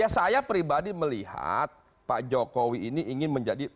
ya saya pribadi melihat pak jokowi ini ingin menjadi